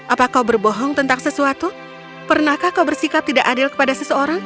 apakah kau berbohong tentang sesuatu pernahkah kau bersikap tidak adil kepada seseorang